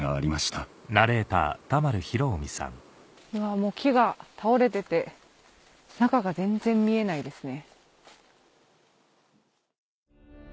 もう木が倒れてて中が全然見えないですね。